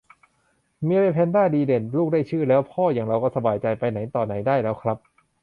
เมียเป็นแม่แพนด้าดีเด่น ลูกได้ชื่อแล้ว พ่ออย่างเราก็สบายใจ ไปไหนต่อไหนได้แล้วครับ